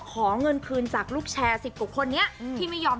ขอเงินพืนจากลูกแชร์๑๐กว่าคนเนี่ย